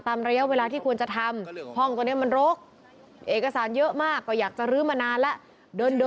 ผมก็ผมก็มีแรงผมป้องกันตัวเองอยู่เหมือนกันแหละ